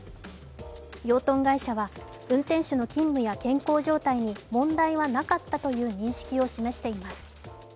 養豚会社は運転手の勤務や健康状態に問題はなかったという認識を示しています。